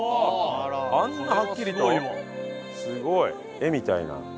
絵みたいな。